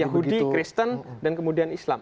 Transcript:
yahudi kristen dan kemudian islam